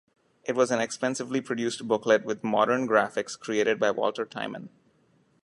It was an expensively produced booklet with modern graphics created by Walter Tiemann.